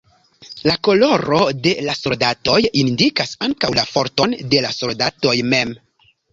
La koloro de la soldatoj indikas ankaŭ la forton de la soldatoj mem.